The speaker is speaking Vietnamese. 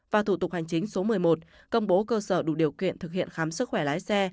và thủ tục hành chính số một mươi một công bố cơ sở đủ điều kiện thực hiện khám sức khỏe lái xe